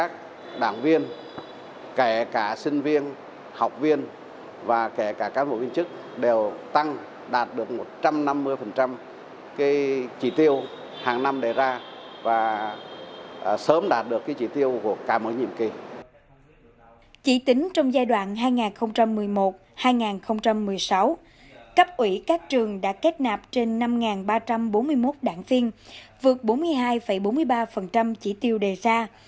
chỉ tính trong giai đoạn hai nghìn một mươi một hai nghìn một mươi sáu cấp ủy các trường đã kết nạp trên năm ba trăm bốn mươi một đảng viên vượt bốn mươi hai bốn mươi ba chỉ tiêu đề ra